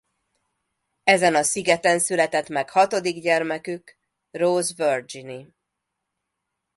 Ezen a szigeten született meg hatodik gyermekük Rose Virginie.